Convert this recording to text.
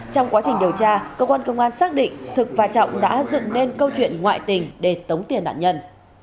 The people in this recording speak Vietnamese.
trong quá trình điều tra cơ quan công an xác định thực và trọng đã dựng nên câu chuyện ngoại tình để tống tiền nạn nhân